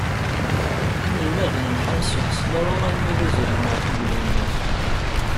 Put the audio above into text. Inelmaden lḥan si Hesnawa armi d azreg Meεtub Lwennas.